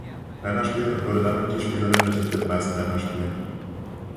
Länderspiel und wurde damit die Spielerin mit den viertmeisten Länderspielen.